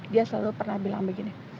dia selalu pernah bilang begini